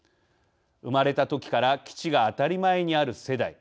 生まれたときから基地が当たり前にある世代。